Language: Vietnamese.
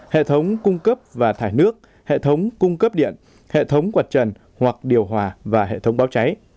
hệ thống cung cấp và thải nước hệ thống cung cấp điện hệ thống quạt trần hoặc điều hòa và hệ thống báo cháy